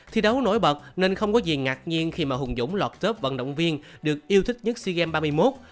thi đấu nổi bật nên không có gì ngạc nhiên khi mà hùng dũng lọt tớp vận động viên được yêu thích nhất sea games ba mươi một